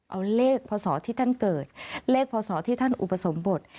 เอาเลขพศที่ท่านเกิดเลขพศที่ท่านอุปสมบท